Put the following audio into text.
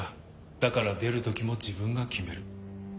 だから出る時も自分が決める。